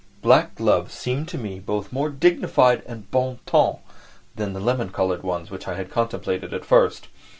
Black gloves seemed to me both more dignified and bon ton than the lemon coloured ones which I had contemplated at first.